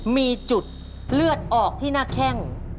มีจุดเลือดออกที่หน้าแข้ง